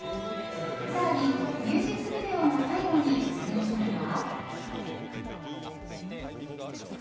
更に、ミュージックビデオの最後に出現したのは。